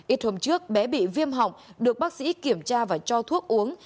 ít hôm trước bé bị viêm họng được bác sĩ kiểm tra và cho thuốc uống